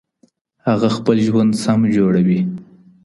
هغه خپل ژوند سم جوړوي.